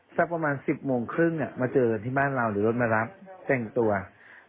สักประมาณ๑๐โมงครึ่งมาเจอกันที่บ้านเราหรือรถมารับแต่งตัว